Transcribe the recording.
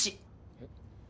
えっ？